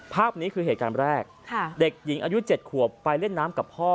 ภาพนี้คือเหตุการณ์แรกเด็กหญิงอายุ๗ขวบไปเล่นน้ำกับพ่อ